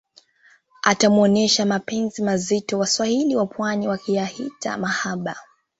atamuonesha mapenzi mazito waswahili wapwani wakiyahita mahaba